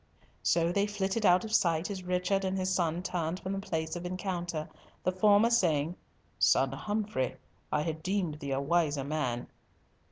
So they flitted out of sight as Richard and his son turned from the place of encounter, the former saying, "Son Humfrey, I had deemed thee a wiser man."